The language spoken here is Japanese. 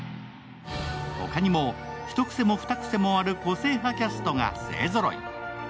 他にも、ひと癖もふた癖もある個性派キャストが勢ぞろい。